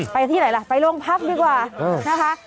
ไปที่ไหนล่ะไปโรงพักดีกว่านะคะ